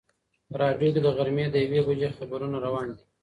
په راډیو کې د غرمې د یوې بجې خبرونه روان دي.